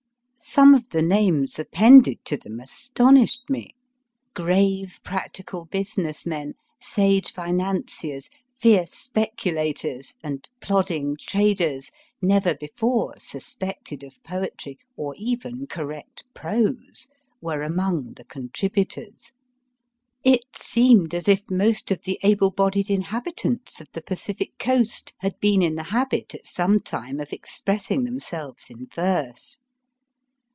Some of the names appended to them astonished me. Grave, practical business men, sage financiers, fierce speculators, and plodding traders, never before suspected of poetry, or even correct prose, were among the contributors. It seemed as if most of the able bodied inhabitants of the Pacific Coast had been in the habit at some time of expressing themselves in verse.